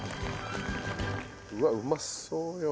うわっうまそうよ。